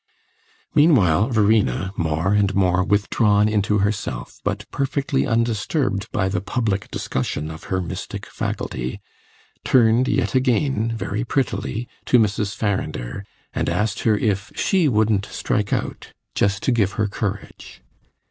Meanwhile Verena, more and more withdrawn into herself, but perfectly undisturbed by the public discussion of her mystic faculty, turned yet again, very prettily, to Mrs. Farrinder, and asked her if she wouldn't strike out just to give her courage.